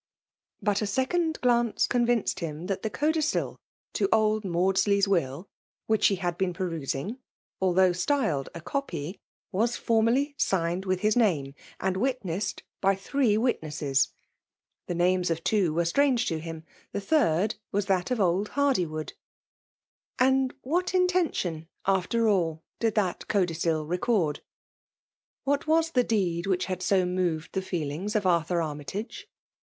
But a second glance convinced him that the codicil to old Maudsley's will, which he had been jperusing, although styled a copy, was formally signed with his name, and witnessed by three witnesses. The names of two were PBHAUB DMLlKATHm* 5S atrttogc lo hkn^ the third was 4kat of eUt Hardywood. And whatxotofitiM, after all, did tluKt codicil vecord? — Wiiat waa the deed which had so moved the foelings of Ar£bur Anoytage?